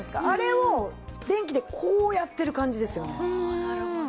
あれを電気でこうやってる感じですよね。